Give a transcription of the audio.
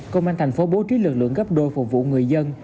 công an thành phố bố trí lực lượng gấp đôi phục vụ người dân